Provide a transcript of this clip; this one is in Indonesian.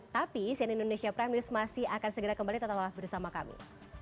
tapi cnn indonesia prime news masih akan segera kembali tetaplah bersama kami